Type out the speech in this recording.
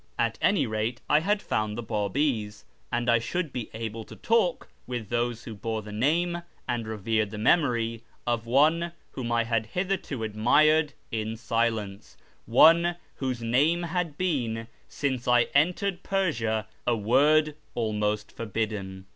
At any rate I had found the B;ibis, and I should be able to talk with those who bore the name and revered the memory of one whom I had hitherto admired in silence — one whose name had been, since I entered Persia, a word almost forbidden.